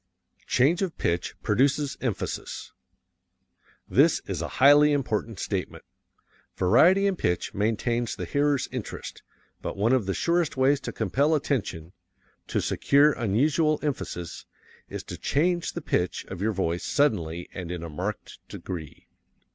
Change of Pitch Produces Emphasis This is a highly important statement. Variety in pitch maintains the hearer's interest, but one of the surest ways to compel attention to secure unusual emphasis is to change the pitch of your voice suddenly and in a marked degree.